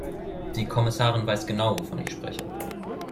Die Kommissarin weiß genau, wovon ich spreche.